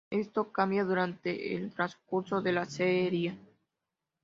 Esto cambia durante el transcurso de la serie.